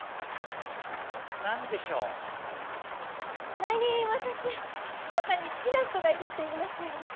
前に私ひそかに好きな人がいるって言いましたよね。